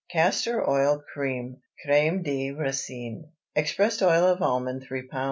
CASTOR OIL CREAM (CRÊME DE RICINE). Expressed oil of almond 3 lb.